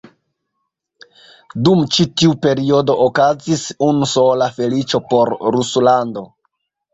Dum ĉi tiu periodo okazis unu sola feliĉo por Ruslando.